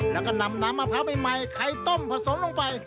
แล้วก็นำน้ำมะพร้าวใหม่ไข่ต้มผสมลงไป